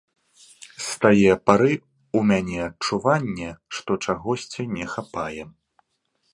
З тае пары ў мяне адчуванне, што чагосьці не хапае.